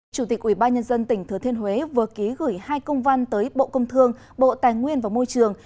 chủ tịch ủy ban nhân dân tỉnh thừa thiên huế vừa ký gửi hai công văn tới bộ công thương bộ tài nguyên và môi trường